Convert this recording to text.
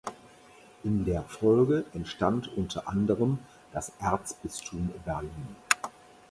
In der Folge entstand unter anderem das Erzbistum Berlin.